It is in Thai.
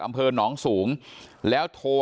อำเภอหนองสูงแล้วโทร